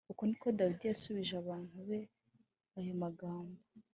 Uko ni ko Dawidi yaburīshije abantu be ayo magambo